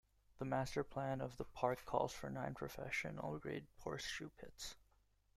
The master plan of the park calls for nine professional grade horseshoe pits.